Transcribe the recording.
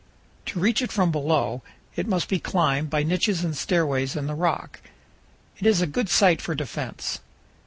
To reach it from below, it must be climbed by niches and stairways in the rock. It is a good site for defense.